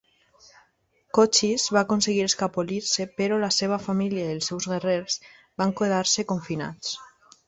Cochise va aconseguir escapolir-se, però la seva família i els seus guerrers van quedar-se confinats.